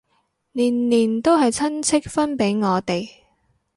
年年都係親戚分俾我哋